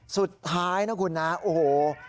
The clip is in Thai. สุดท้ายนะคุณนะโอ้โห